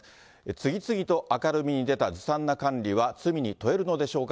次々と明るみに出たずさんな管理は罪に問えるのでしょうか。